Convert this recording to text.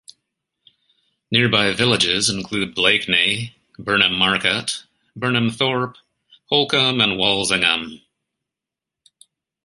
Nearby villages include Blakeney, Burnham Market, Burnham Thorpe, Holkham and Walsingham.